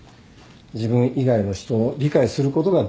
自分以外の人を理解することができる人。